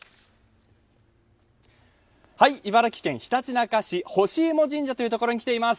茨城県ひたちなか市、ほしいも神社というところに来ています。